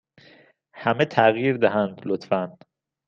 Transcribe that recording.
همه تغییر دهند، لطفا.